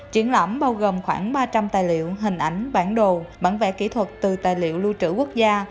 triển lãm bao gồm khoảng ba trăm linh tài liệu hình ảnh bản đồ bản vẽ kỹ thuật từ tài liệu lưu trữ quốc gia